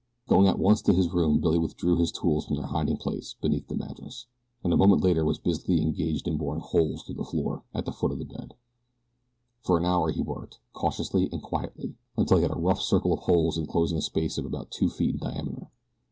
Going at once to his room Billy withdrew his tools from their hiding place beneath the mattress, and a moment later was busily engaged in boring holes through the floor at the foot of his bed. For an hour he worked, cautiously and quietly, until he had a rough circle of holes enclosing a space about two feet in diameter.